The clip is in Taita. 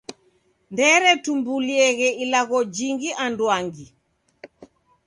Nderetumbulieghe ilagho jingi anduangi.